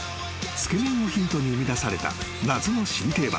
［つけ麺をヒントに生みだされた夏の新定番］